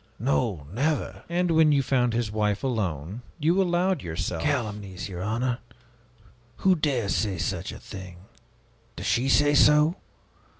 No, never!" "And when you found his wife alone, you allowed yourself " "Calumnies, your honor! Who dares say such a thing? Does she say so?